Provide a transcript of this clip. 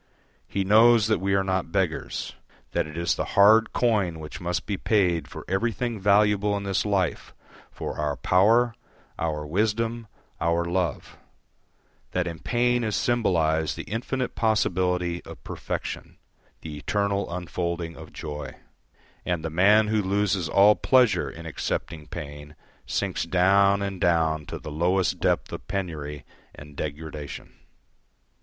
He knows that we are not beggars; that it is the hard coin which must be paid for everything valuable in this life, for our power, our wisdom, our love; that in pain is symbolised the infinite possibility of perfection, the eternal unfolding of joy; and the man who loses all pleasure in accepting pain sinks down and down to the lowest depth of penury and degradation.